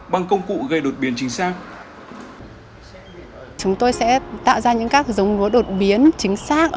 bằng công cụ gây đột biến chính xác